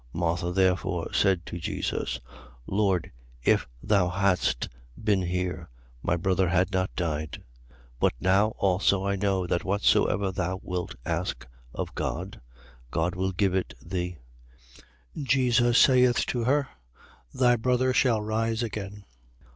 11:21. Martha therefore said to Jesus: Lord, if thou hadst been here, my brother had not died. 11:22. But now also I know that whatsoever thou wilt ask of God, God will give it thee. 11:23. Jesus saith to her: Thy brother shall rise again.